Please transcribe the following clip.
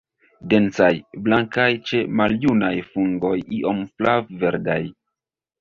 Densaj, blankaj, ĉe maljunaj fungoj iom flav-verdaj.